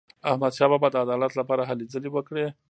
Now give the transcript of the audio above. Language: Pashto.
احمدشاه بابا د عدالت لپاره هلې ځلې وکړې.